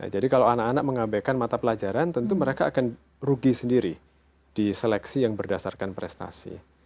jadi kalau anak anak mengambilkan mata pelajaran tentu mereka akan rugi sendiri di seleksi yang berdasarkan prestasi